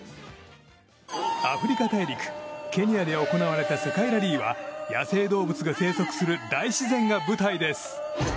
アフリカ大陸ケニアで行われた世界ラリーは野生動物が生息する大自然が舞台です。